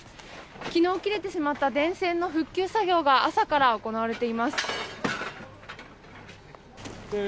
昨日切れてしまった電線の復旧作業が朝から行われています。